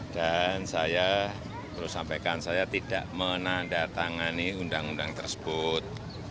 dan saya harus sampaikan saya tidak menandatangani undang undang tersebut